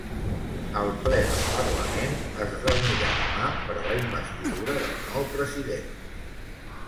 El ple del parlament es reunirà demà per a la investidura del nou president.